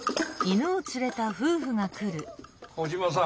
コジマさん